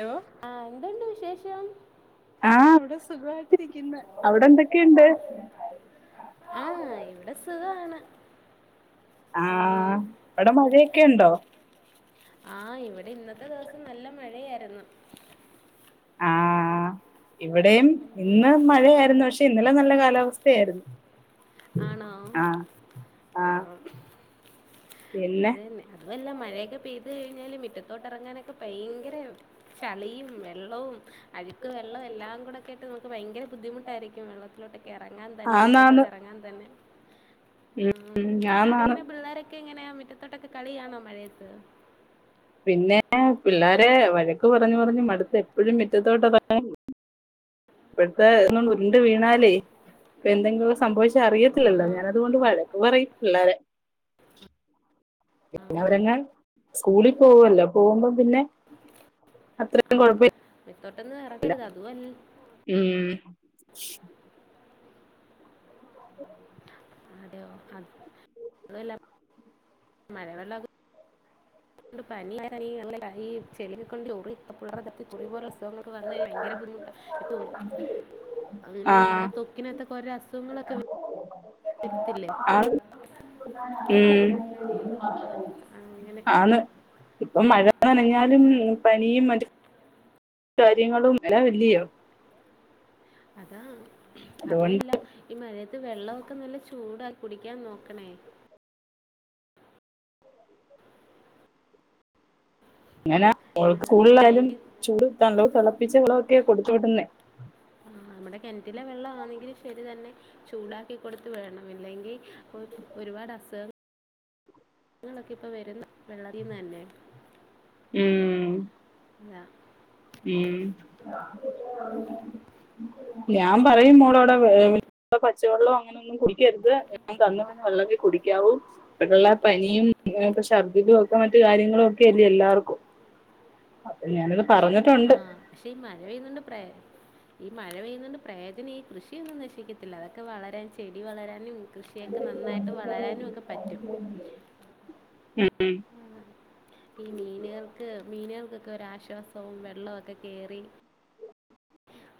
Hello ആഹ് എന്തുണ്ട് വിശേഷം. ആഹ് ഇവിടെ സുഖായിട്ടിരിക്കുന്നു അവിടെ എന്തൊക്കെയുണ്ട്. ആഹ് ഇവിടെ സുഖാണ്. ആഹ് വിടെ മഴയൊക്കെണ്ടോ. ആഹ് ഇവിടെ ഇന്നത്തെ ദിവസം നല്ല മഴയായിരുന്നു. ആഹ് ഇവിടെയും ഇന്ന് മഴയായിരുന്നു പക്ഷെ ഇന്നലെ നല്ല കാലാവസ്ഥയായിരുന്നു. ആണോ ആഹ് ആ ആഹ് പിന്നെ അതന്നെ. അതുഅല്ല മഴയൊക്കെ പെയ്തു കഴിഞ്ഞാല് മിറ്റത്തോട്ട് ഇറങ്ങാനൊക്കെ ഭയങ്കര. ചളിയും വെള്ളവും അഴുക്ക് വെള്ളോം എല്ലാം കൂടെക്കായിട്ട് നമുക്ക് ഭയങ്കര ബുദ്ധിമുട്ടായിരിക്കും വെള്ളത്തിലോട്ടൊ യെറങ്ങാൻ തന്നെ ആന്നാന്ന് മിറ്റത്തോട്ട് ഇറങ്ങാൻ തന്നെ ഉ ഉം ആന്നാണ് അവിടെങ്ങനെ പിള്ളാരൊ. ക്കെങ്ങനെയാ മുറ്റത്തോട്ടൊക്കെ കളിയാണോ മഴയത്ത്. പിന്നെ പിള്ളാരെ വഴക്ക് പറഞ് പറഞ്ഞ് മടുത്ത് എപ്പോഴും മിറ്റത്തോട്ട്. [unintelligible] ഇപ്പഴത്തെ ഉരുണ്ട് വീണാലേ പ്പെന്തെങ്കിലും സംഭവിച്ച അറിയ. ഇല്ല ഇല്ല ആഹ് ഞാനതുകൊണ്ട് വഴക്ക് പറയും പിള്ളേരെ പിന്നെ അവരങ്ങാൻ സ്കൂളിൽ പോവല്ലോ പോവുമ്പം പിന്നെ അത്ര കുഴപ്പ. മുറ്റത്തോട്ടൊന്ന് ഇറക്കരുത് അതും അല്ല. ഉം [inaudible] അതയോ അതുഅല്ല. മലവെള്ളൊക്കെ. ണ്ട് പനിനി [unintelligible] ചെളി കൊണ്ട്. [unintelligible] കുറപോലെ അസഖങ്ങളൊക്കെ വന്ന് കഭയങ്കര ബുദ്ധിമുട്ട ഇപ്പൊ അങ്ങനെ ആഹ് നമ്മുടെ തൊ. ക്കിനഗതൊക്കെ ഓരേ അസുഖങ്ങളൊക്കെ വെ വരത്തില്ലേ ആഹ് അങ്ങനെ [unintelligible] അങ്ങനെ ആന്ന് ഇപ്പൊ മഴ നനഞ്ഞാലും മു പനിയും മറ്റ്. കാര്യങ്ങളും ല്ലാ അല്ലയോ. അതാ അതുകൊണ്ട് അതുഅല്ല. ഈ മഴയത്ത് വെള്ള ഒക്കെ നല്ല ചൂടായി കുടിക്കാൻ നോക്കണേ? ങ്ങനെ മോക്ക് അല്ല സ്കൂളിലാലും ഇല്ലെങ്കിൽ ചൂട് നല്ലവും തിളപ്പിച്ച വളോക്കെയാ കൊടുത്തു വിട്ടുന്നേ. ആ നമ്മടെ കിണറ്റിലെ വെള്ളം ആണെങ്കിലും ശരി തന്നെ. ചൂടാക്കി കൊടുത്ത് വിടണം ല്ലെങ്കി പ്പ ഒരുപാട് അസുഖ. ങ്ങളൊക്കെ ഇപ്പ വരുന് വെള്ള തിന്നന്നെ. ഉം ല്ല. ഉം [inaudible] ഞാംപറയും മോളോട് വേ പച്ചവെള്ളോ അങ്ങനെ ഒന്നും കുടിക്കരുത്. ഞാൻ തന്ന വെള്ളവേ കുടിക്കാവൂ. നല്ല പനിയും ഛർദ്ധിലും ഒക്കെ മറ്റു കാര്യങ്ങളും ഒക്കെ അല്ലേ എല്ലാർക്കും. അതെ ഞാനിത് പറഞ്ഞിട്ടുണ്ട്. ആഹ് പക്ഷെ ഈ മഴ [unintelligible] ഈ മഴ പെയ്യുന്നോണ്ട് പ്രയോജനം ഈ കൃഷിയൊന്നും നശിക്കത്തില്ല അതൊക്കെ വളരാൻ ചെടി വളരാനും. കൃഷിയൊക്കെ നന്നായിട്ട് വളരാനുമൊക്കെ പറ്റും. ഉം ഉം ഈ മീന്കൾക്ക് മീന്കൾക്കൊക്കെ ഒരാശ്വാസവും വെള്ളൊക്കെ കേറി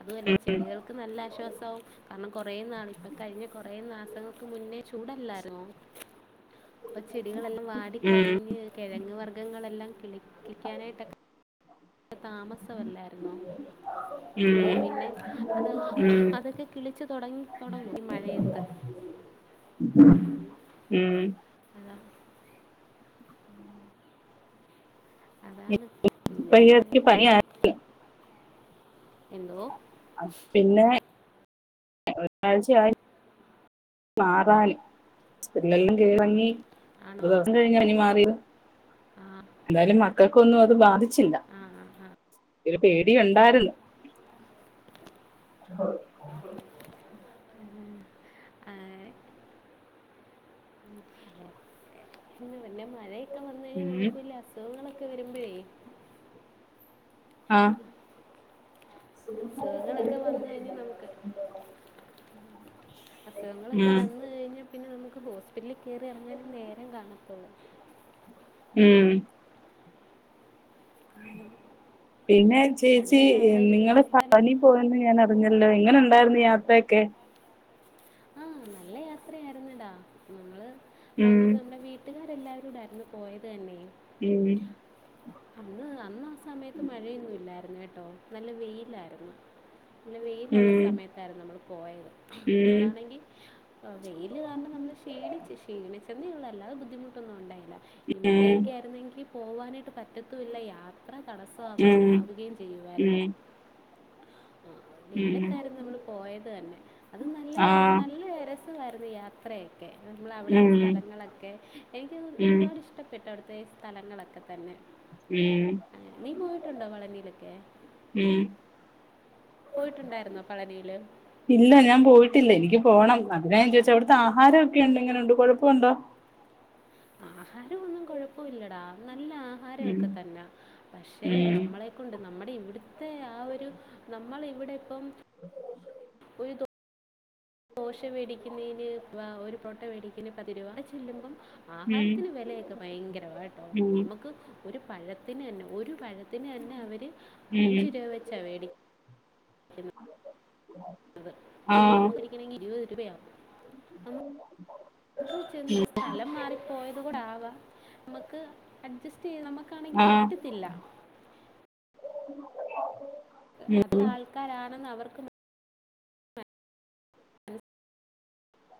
അതുവല്ല ചെടികൾ ക്ക് നല്ല ആശ്വാസാവും കാരണം കൊറേ നാള് ഇപ്പൊ കഴിഞ്ഞ കൊറേ മാസങ്ങൾക്ക് മുന്നേ ചൂടല്ലാര്ന്നോ [inaudible] അപ്പൊ ചെടികളെല്ലാം വാടി ഉം കരിഞ്ഞ് കെഴങ് വർഗ്ഗങ്ങളെല്ലാം കിളിക്കിക്കാനായിട്ടെക്കെ താമസവല്ലായിരുന്നോ ആഹ് ഉം പിന്നെ അത് ഉം അതൊക്കെ കിളിച്ചു തൊടങ്ങി തൊടങ്ങും ഈ മഴയത്ത് ഉം അത അതാണ് ഇപ്പൊ പിന്നേ ഈ മഴ ഇടയ്ക്ക് പനിയായി എന്തോ പിന്നെ ഒരാഴ്ച മാറാലിം സ്പെല്ലല്ലാം ഇറങ്ങി ഒരു ആണോ ദിവസം കഴിഞ്ഞാ പനി മാറിയെ ആ എന്തായാലും മക്കക്കൊന്നും അത് ബാധിച്ചില്ല ആഹ് ആഹ് ആഹ് ഒരു പേടി ഒണ്ടായിരുന്നു [inaudible] ആഹ് [inaudible] പിന്നെ പിന്നെ മഴയൊക്കെ വന്ന് കഴിഞ്ഞാ ഉം നമുക്ക് വലിയ അസുഖങ്ങളൊക്കെ വരുമ്പഴേ ആ അസുഖങ്ങളൊക്കെ വന്ന് കഴിഞ്ഞ് നമുക്ക് അസുഖങ്ങളൊക്കെ ഉം വന്ന് കഴിഞ്ഞാ പിന്നെ നമുക്കിപ്പോ ഹോസ്പിറ്റലില് കയറിയെറങ്ങാനെ നേരം കാണത്തൊള്ളൂ ഉം [unintelligible] പിന്നെ ചേച്ചി അതുമല്ല നമ്മുടെ കൃഷി നിങ്ങള് സ്ഥലം പഴനി പോയെന്ന് ഞാൻ അറിഞ്ഞല്ലോ എങ്ങനെ ഉണ്ടായിരുന്നു യാത്രൊക്കെ ആഹ് നല്ല യാത്രയായിര്ന്നടാ നമ്മള് ഉം പഴനിപ്പ നമ്മടെ വീട്ടി ട്ടുകാരല്ലാവരുടെ ആയിരുന്നു പോയതന്നെ ഉം അന്ന് അന്ന് ആഹ് സമയത്ത് മഴയൊന്നും ഇല്ലായിരുന്നേട്ടോ നല്ല വെയിലായിരുന്നു പിന്നെ വെയിലുള്ള ഉം സമയത്തായിരുന്നു നമ്മള് പോയത് ഉം നമ്മളാണെങ്കി വെയില് കാരണം നമ്മള് ക്ഷീണിച്ച് ക്ഷീണിച്ചെന്നെ ഒള്ളൂ അല്ലാതെ ബുദ്ധിമുട്ടൊന്നും ഉണ്ടായില്ല ഈ മഴയൊക്കെ ആയിരുന്നെങ്കി പോവാനായിട്ട് പറ്റത്തൂല്ല യാത്ര അത്രീം തടസ്സാവെ ഉം ഉം ആവുകയും ചെയ്യുവായിരുന്നു ഉം ആഹ് ഉം വെയിലത്തായിരുന്നു നമ്മള് പോയത് തന്നെ അത് നല്ല ആ നല്ല ര രവായിരുന്നു യാത്രയൊക്കെ നമ്മള് അവിടത്തെ ഉം സ്ഥലങ്ങളൊക്കെ എനിക്ക് ഉം ഒരുപാട് ഇഷ്ടപ്പെട്ടു ട്ടു അവിട്ത്തെ സ്ഥലങ്ങളൊക്കെ തന്നെ ഉം അങ്ങനെ നീ പോയിട്ടുണ്ടോ പളനീലൊക്കെ ഉം പോയിട്ടുണ്ടായിരുന്നോ പളനീല് ഇല്ല ഞാൻ പോയിട്ടില്ല എനിക്ക് പോണം അതിനാ ചോദിച്ചെ അവിടുത്തെ ആഹാരൊക്കെ എങ്ങനെണ്ട് കൊഴപ്പണ്ടോ ആഹാരൊന്നും കൊഴപ്പല്ലടാ നല്ല ഉം ആഹാരൊക്കെ തന്നാ പക്ഷെ ഉം നമ്മളെ കൊണ്ട് നമ്മടെ ഇവ്ട്ത്തെ ആഹ് ഒരു നമ്മള് ഇവിടെപ്പം [inaudible] ഒരു ദോ പോശ മേടിക്കുന്നതിന് വ ഒരു പൊട്ട മേടിക്കേന് പത് രൂപ അവിടെ ചെല്ലുമ്പം ആഹാരത്തിന് ഉം വെലയൊക്കെ ഭയങ്കരമാ ട്ടൊ നമുക്ക് ഒരു പഴത്തിനെന്നെ ഒരു പഴ ത്തിനെന്നെ അവര് ഉം ഉം അഞ്ച് രൂപ വെച്ചാ വേടി [inaudible] ആഹ് [unintelligible] ഇരുപത് രൂപയാവും ക്ക് ചെന്ന് സ്ഥലം മാറിപ്പോയത് കോണ്ടാവാം മ്മക്ക് അഡ്ജസ്റ്റ് നമ്മക്കാണെങ്കി ആഹ് പറ്റത്തില്ല [unintelligible] അതും ആൾക്കാരാണെന്ന് അവർക്ക്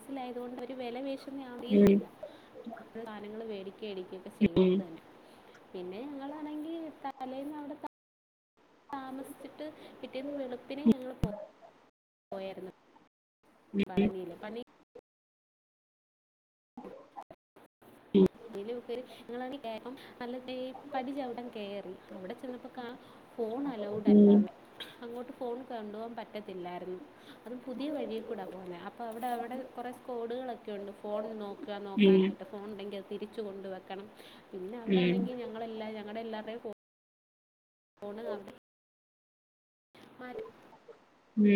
സിലായതു കൊണ്ട് ഒരു വെലപെശുന്നെ ഉം അറിയത്തില്ല താനങ്ങള് മേടിക്കേടിക്കും ചെയ്യ്ന്നത് തന്നെ പിന്നെ ഞങ്ങളാണെങ്കി തലേന്ന് അവിടെ താമസിച്ചിട്ട് പിറ്റേന്ന് വെളുപ്പിനെ ഞങ്ങള് പോ പോയാരുന്നു പളനീല് പണി [unintelligible] കേറി അവിടെ ചെന്നപ്പോ കാ ഫോൺ അലൗഡ് ഉം അല്ലാവെ അങ്ങോട്ട് ഫോൺ കോണ്ടു പോകാൻ പറ്റത്തില്ലായിരുന്നു അതും പുതിയ വഴി കൂടാ പോകുന്നെ അപ്പ അവിടെവിടെ കോറെ സ്കോഡുകളൊക്കെണ്ട് ഫോൺ നോ ഉം നോക്കാനായിട്ട് ഫോൺ ഉണ്ടെങ്കി അത് തിരിച്ച് കൊണ്ട് വെക്കണം പിന്നെ ഉം അവടെണെങ്കി ഞങ്ങളെല്ലാ ഞങ്ങളെല്ലാരുടെ കോ [unintelligible] [unintelligible] ഉം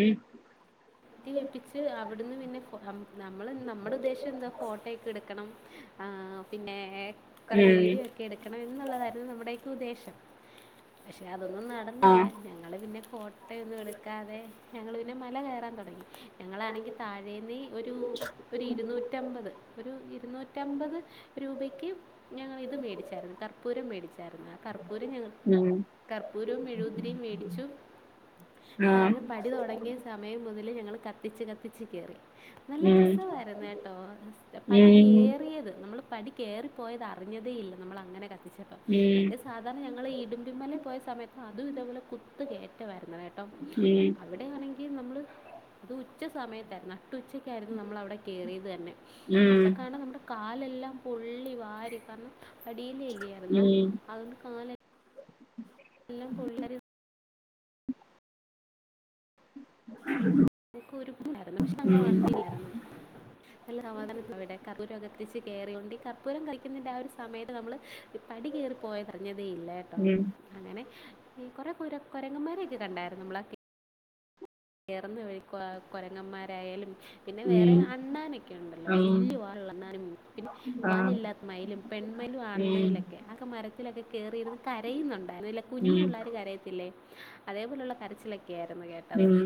കുത്തി വെപ്പിച്ച് അവിട്ന്ന് പിന്നെ നമ്മ നമ്മള് നമ്മുടെ ഉദ്ദേശ്യംന്താ ഫോട്ടോയൊക്കെ എടുക്കണം ആഹ് പിന്നെ കുറെ ഉം വീഡിയോക്കെ എടുക്കണം എന്നുള്ളതായിരുന്നു നമ്മുടെക്കെ ഉദ്ദേശം പക്ഷെ അതൊന്നും നടന്നില്ല ആഹ് ഞങ്ങള് പിന്നെ ഫോട്ടോയൊന്നും എടുക്കാതെ ഞങ്ങള് പിന്നെ മല കേറാൻ തോടങ്ങി ഞങ്ങളാണെങ്കി താഴേന്ന് ഒരു ഒരു ഇരുന്നൂറ്റമ്പത് ഒരു ഇരുന്നൂറ്റമ്പത് രൂപയ്ക്ക് ഞങ്ങളിത് മേടിച്ചായിരുന്നു കർപ്പൂരം മേടിച്ചായിരുന്നു ആ കർപ്പൂരം ഞങ്ങള് ഉം കർപ്പൂരും മെഴൂക് തിരിയും മേടിച്ചു ആഹ് താഴെ പടി തുടങ്ങിയ സമയം മുതല് ഞങ്ങള് കത്തിച്ച് കത്തിച്ച് കേറി നല്ല ഉം രസായിരുന്നു കെട്ടോ പടി ഉം ഉം ഉം ഉം ഉം കേറിയത് നമ്മൾ പടി കേറിപ്പോയത് അറിഞ്ഞതേ ഇല്ല നമ്മളങ്ങനെ കത്തിച്ചപ്പം മറ്റേ സാധാരണ ഞങ്ങള് ഇടുമ്പിമല പോയ സമയത്ത് അതും ഇതേ പോലെ കുത്ത് കേ വര്ണെ കേട്ടോ അവിടെ ആണെങ്കി നമ്മള് അത് ഉച്ച സമയത്തായിരുന്നു നട്ടു ഉച്ച ക്കെയിരുന്നു നമ്മള് അവിടെ കേറിയത് തന്നെ ഉം അപ്പക്കാണാ നമ്മുടെ കാലെല്ലാം പൊള്ളി വാരി കാരണം അടില് ഉം ഉം ഉം ആഹ് ല്ല്യായിര്ന്നോ ഉം അതുകൊണ്ട് കാലെ എല്ലാം പൊള്ള ഉ [unintelligible] [unintelligible] പക്ഷെ അങ്ങനെ വന്നില്ലായിരുന്നു നല്ല സമാധാന ഇവിടെ കർപ്പൂരൊക്കെ കതിച്ച് കേറിയൊണ്ട് കർപ്പൂരം കഴിക്കുന്നതിന്റെ ആഹ് ഒരു സമയത്ത് നമ്മള് പടി കേറി പ്പോയതറിഞ്ഞതേ ഇല്ല ട്ടൊ അങ്ങനെ ഈ കൊറെ കുരങ്ങ കോരങ്ങന്മാരൊക്കെ കണ്ടായിരുന്നു നമ്മള് കേറ്ന്ന വഴിക്ക് കോ കൊരങ്ങന്മാരായാലും പിന്നെ വേറെ അണ്ണാനൊക്കെ ഉണ്ടല്ലോ വല്ല്യ വാലുള്ള അണ്ണാനും പിന്നെ വാലില്ലാത്ത മയിലും, പെൺമയിലും, ആൺമയിലൊക്കെ അക്കെ മര ത്തിലൊക്കെ കേറിയിര്ന്ന് കരയുന്നുണ്ടായിരുന്നു കുഞ്ഞു ഉം പുള്ളാര് കരയത്തില്ലേ അതേ പോലുള്ള കരച്ചിലൊക്കെ ആയിരുന്നു കേ ഉം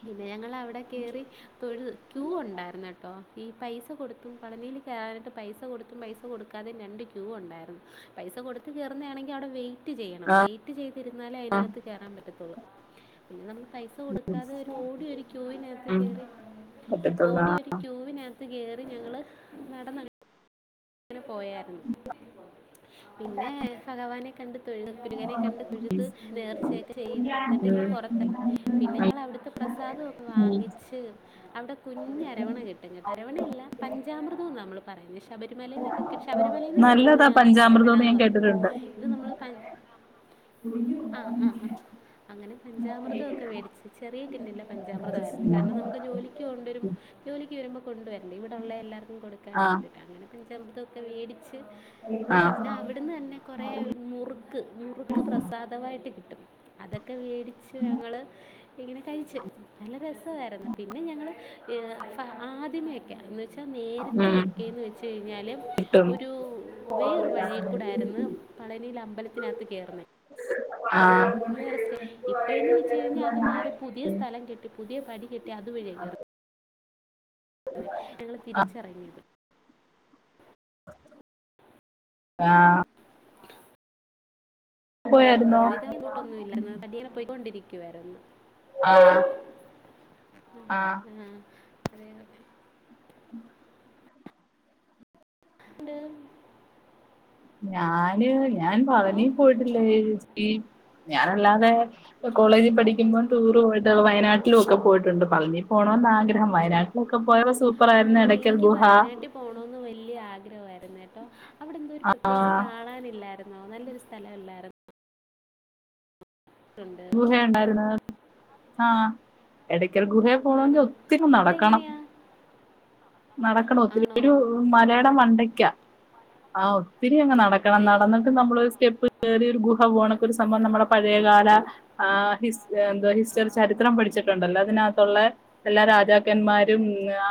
പിന്നെ ഞങ്ങളവിടെ കേറി തൊഴു ക്യൂ ഉണ്ടായിരുന്ന് കേട്ടോ ഈ പൈസ കൊടുത്തും പളനില് കേറാനായിട്ട് പൈസ കൊടുത്തും പൈസ പൈസ കൊടുക്കാതെ രണ്ട് ക്യൂ ഉണ്ടായിരുന്നു പൈസ കൊടുത്ത് കേറുന്നതാണെങ്കി അവിടെ വെയി റ്റ് ചെയ്യണം വൈറ്റ് ചെയ്തിരുന്നാലേ ആഹ് അയ്നകത്ത് കേറാൻ പറ്റത്തോള്ളൂ പിന്നെ നമ്മക്ക് പൈ കൊടുക്കാതെ ഒരു ഓടിയൊ രു ക്യൂവിനകത്ത് ഉം കയറി പറ്റത്തുള്ളൂ ഓടി ഒരു ക്യൂവിനകത്ത് കയറി ഞങ്ങൾ നടന്ന അന് പോയായിര്ന്നു പിന്നെ ഭഗവാനെ കണ്ട് തൊഴുത് പുരുകനെ കണ്ട് തൊഴുത് നേർച്ചയൊക്കെ ചെയ്യും എന്നിട്ട് ആഹ് ഇങ് ഉം പുറത്ത പിന്നെ ഞങ്ങള് അവിടുത്തെ പ്രസാദംക്കെ ഉം വാങ്ങിച്ച് അവിടെ കുഞ്ഞ അരവണ കി അരവണയല്ല പഞ്ചാമൃതുന്ന് നമ്മൾ പറയുന്നത് ശബരി ശബരിമലന്നക്കെ ശബരിമലയിൽന്ന് നല്ലതാ കിട്ടുന്ന അരവണ പഞ്ചാമൃതംന്ന് എന്ന് ഞാൻ പറയുന്നത് കേട്ടിട്ടുണ്ട് ഇത് നമ്മൾ ആഹ് ആഹ ആഹ അങ്ങനെ പഞ്ചാമൃതംക്കെ മേടിിച്ച് ചെറിയടിന്നില്ല പഞ്ചാമൃതമായിരുന്നു കാരണം നമുക്ക് ജോലി കൊണ്ടുവരുമ്പോൾ ജോലിക്ക് വരുമ്പോ കൊണ്ട വരണ്ട ഇവിടെള്ള എല്ലാവർക്കും കൊടുക്കാനും ആഹ് വേണ്ടിട്ട് അങ്ങനെ പഞ്ചാമൃറുതൊക്കെ വേടിച്ച് പിന്നെ ആഹ് അവിടുന്ന് തന്നെ കുറേ മുറു ക്ക് മുറുക്ക് പ്രസാദമായിട്ട് കിട്ടും അതൊക്കെ മേടിച്ച് ഞങ്ങള് ഇങ്ങനെ കഴിച്ച്ച് നല്ല രസമായിരുന്നു പിന്നെ ഞങ്ങൾ ഫ ആദ്യമേ ഒക്കെ ആയിരുന്ന് പക്ഷ നേരത്തെ ഉം വെക്കന്ന് വെച്ച വച്ച് കഴിഞ്ഞാൽ കിട്ടും ഒരു വേറ വഴിൽക്കൂടായിരുന്നു പളനിയിൽ അമ്പലത്തിനകത്ത് കയറുന്നത് ആഹ് വ ഇപ്പോഴന്ന് വെച്ച കഴിഞ്ഞാൽ അത് മാറി പുതിയ സ്ഥലം കെട്ടി പുതിയ പടി കെട്ടി അത് വഴി ഇറ ഞങ്ങൾ തിരിച്ചറങ്ങിയത് ആഹ അത് പോയായിരുന്നോ വിധം അങ്ങോട്ടൊന്നും ഇല്ല എന്ന പതിയെ പോയിക്കൊണ്ടിരിക്കുവായിരൊന്ന് ആഹ് ആഹ് ഉ ആ അതെ അതെ [inaudible] അണ്ട് ഞാന് ഞാൻ ഹലോ പഴനി പോയിട്ടില്ല ഈ ഞാനല്ലാതെ ഇ കോളേജിൽ പിന്നെ പഠിക്കുമ്പോൾ ടൂർ പോയിട്ട് വയനാട്ടിലും ഒക്കെ പോയിട്ടുണ്ട് പഴനി പോകണന്ന് ആഗ്രഹം വയനാട്ടിലൊക്കെ പോയാ സൂപ്പർ ആയിുന്ന ഇടയ്ക്കൽ ഗുഹ പോണന്ന് വലിയ ആഗ്രഹമായിരുന്നു കേട്ടോ അവിടെ എന്തോ ഒരു ആ പ്രത്യേകിച്ച് കാണാനില്ലായിരുന്നു നല്ലൊരു സ്ഥലംല്ലായിരുന്നു ഗുഹയുണ്ടായിരുന്ന ആഹ എടയ്ക്കൽ ഗുഹയെ ആണോ പോണമെങ്കിൽ ഒത്തിരി അവിടെ നടക്കണം എങ്ങനെയാ നടക്കണ ഒത്തിരി ആണോ ഒരു മലയുടെ അവിടെ മണ്ടയ്ക്കാ ആഹ ഒത്തിരി അങ് നടക്കണം അതെയോ നടന്നിട്ട് നമ്മളൊരു സ്റ്റെപ്പ് ചേറിയൊരു ഗുഹ പോണക്കൊ ഒരു സംഭവം നമ്മളെ പഴയകാല ആ ഹിസ് എന്തോ ഹിസ്റ്ററി ചരിത്രം പഠിച്ചിട്ടുണ്ടല്ലോ അതിനകത്തുള്ള എല്ലാ രാജാക്കന്മാരും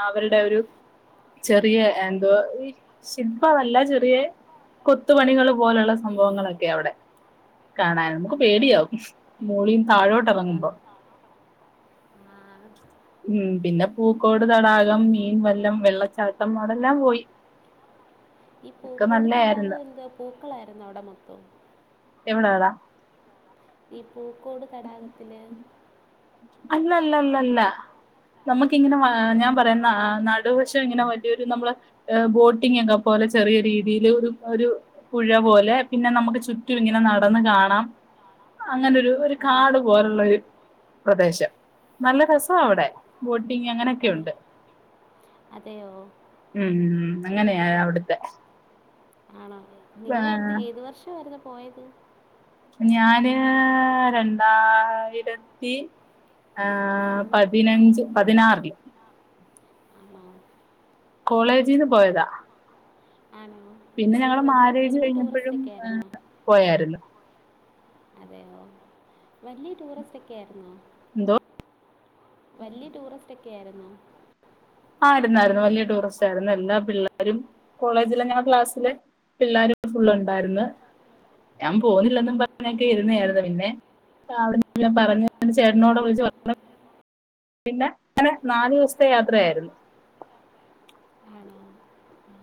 അവരുടെ ഒരു ചെറിയ എന്തോ ഈ ശില്പ അല്ല ചെറിയ കൊത്തുപണികൾ പോലുള്ള സംഭവങ്ങളൊക്കെ അവിടെ കാണാൻ നമുക്ക് അതെയോ പേടിയാവുമോളിന്ന് താഴോട്ട് ഇറങ്ങുമ്പോ ആഹ ഉം പിന്നെ പൂക്കോട് തടാകം മീൻ വല്ലം വെള്ളച്ചാട്ടം അവിടെല്ലാം പോയി ഈ ഒക്കെ പൂക്കോട് തടാകം നല്ലായിരുന്നു എന്ത് പൂക്കളായിരുന്നു അവിടെ മൊത്തവും എവിടെ ട ഈ പൂക്കോട് തടാകത്തില് അല്ലല്ലല്ലല്ല നമുക്ക ഇങ്ങനെ ഞാൻ പറയാ നടുവശം ഇങ്ങനെ വലിയൊരു നമ്മള് ബോട്ടിംഗ ഒക്കെ പോലെ ചെറിയ രീതിയില് ഒരു ഒരു പുഴ പോലെ പിന്നെ നമുക്ക് ചുറ്റും ഇങ്ങനെ നടന്ന് കാണാം അങ്ങനെരു ഒരു അതെ കാട് പോലുള്ള ഒരു പ്രദേശം നല്ല രസം അവിടെ ബോട്ടിങ് അങ്ങനെയൊക്കെ അതെ ഉണ്ട്. അതെയോ ഉം അങ്ങനെയ അവിടുത്തെ ആണോ നിങ്ങള് ഏതു വർഷംമായിരുന്നു പോയത് ഞാന് രണ്ടായിരത്തി ആ പതിനഞ്ച് പതിനാറില് ആഹ് കോളേജിന്ന് പോയതാ ആണോ പിന്നെ ഏത് ഞങ്ങള് വലിയ മാരേജ് വലിയ ടൂറിസ്റ്റ് കഴിഞ്ഞപ്പോഴും ഒക്കെ ആയിരുന്നോ പോയായിരുന്നു അതെയോ വലിയ ടൂറിസ്റ്റ് ഒക്കെ ആയിരുന്നോ എന്തോ വലിയ ടൂറിസ്റ്റ് ഒക്കെയായിരുന്നോ ആയിരുന്നു ത്തയിരുന്നു വലിയ ടൂറിസ്റ്റ് ആയിരുന്നു എല്ലാ പിള്ളേരും കോളേജിൽ ഇങ്ങനെ ക്ലാസ്സിൽ പിള്ളേരും ഫുൾ ഉണ്ടായിരുന്ന് ഞാൻ പോവുന്നില്ലെന്നും പറഞ്ഞൊക്കെ ഇരുന്നായിരുന്നു പിന്നെ അവിടെ ഞാൻ പറഞ്ഞു ചേട്ടനോടെ വിളിച്ച് പറഞ്ഞു പിന്നെ അങ്ങനെ നാലു ദിവസത്തെ യാത്രയായിരുന്നു. ആണോ? ആ.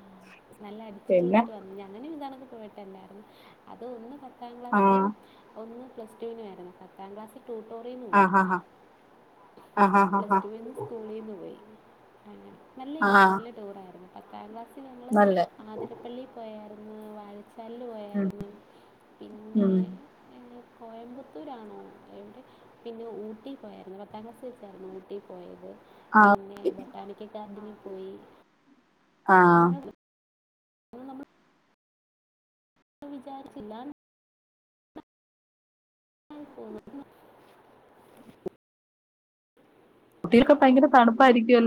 നല്ല അടിച്ച് പിന്നെ പൊളിച്ചിട്ട് വന്ന അങ്ങനെ ഇതാണൊക്കെ പോയിട്ടല്ലായിരുന്നു അത് ഒന്ന് പത്താം ആ ക്ലാസ്സിലും ഒന്ന് പ്ലസ്ടുവിനുമായിരുന്നു പത്താം ക്ലാസ്സിൽ ട്യൂട്ടോറിയനിൽ ആ പോയി. ഹാ ഹാ ആ ഹാ ഹാ ഹാ പ്ലസ്ടുവിൽ നിന്ന് സ്കൂളിൽ നിന്ന് പോയി അങ്ങനെ ആ നല്ലതായിരുന്നു നല്ല ടൂർ ആയിരുന്നു. ഏഴാം ക്ലാസ്സിൽ ഞങ്ങൾ നല്ല അതിരപ്പള്ളിൽ പോയായിരുന്നു വാ- ചെല്ല് പോയരുന്നു പിന്നെ ഉം എവിടെ കോയമ്പത്തൂരാണോ എവിടെ പിന്നെ ഊട്ടി പോയിരുന്നു പത്താം ക്ലാസ് ചേർന്ന് ഊട്ടി പോയത് പിന്നെ ബൊട്ടാനിക്കൽ ഗാർഡനിൽ പോയി. ആഹ് അങ്ങനെ നമ്മൾ വിചാരിച്ചില്ല [inaudible] കുട്ടികൾക്ക് ഭയങ്കര തണുപ്പായിരിക്കുല്ലോ